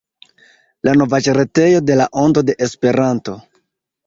La novaĵretejo de La Ondo de Esperanto.